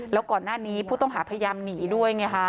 แล้วก่อนหน้านี้ผู้ต้องหาพยายามหนีด้วยไงฮะ